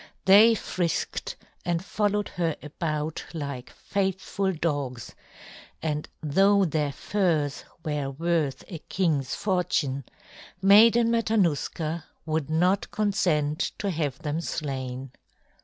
They frisked and followed her about like faithful dogs; and though their furs were worth a king's fortune, Maiden Matanuska would not consent to have them slain.